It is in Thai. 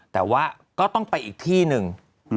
แต่ว่าก็ต้องไปอีกที่หนึ่ง